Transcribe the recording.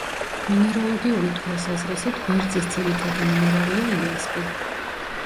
მინეროლოგიური თვალსაზრისით, ვერძის ძირითადი მინერალია: იასპი.